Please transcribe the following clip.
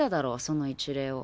その一例を。